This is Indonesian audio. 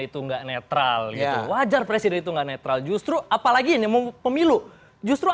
itu enggak netral gitu wajar presiden itu enggak netral justru apalagi ini mau pemilu justru